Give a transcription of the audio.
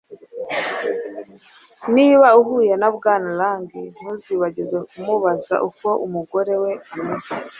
Niba uhuye na Bwana Lang, ntuzibagirwe kumubaza uko umugore we ameze.